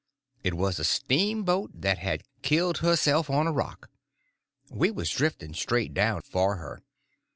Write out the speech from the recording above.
It was a steamboat that had killed herself on a rock. We was drifting straight down for her.